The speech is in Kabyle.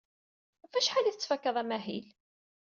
Ɣef wacḥal ay tettfakad amahil?